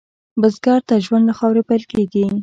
بزګر ته ژوند له خاورې پیل کېږي